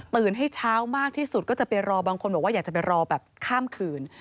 ให้เช้ามากที่สุดก็จะไปรอบางคนบอกว่าอยากจะไปรอแบบข้ามคืน